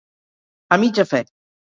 A mitja fe.